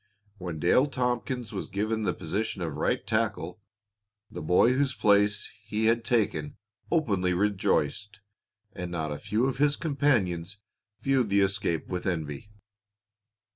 When Dale Tompkins was given the position of right tackle, the boy whose place he had taken openly rejoiced, and not a few of his companions viewed the escape with envy.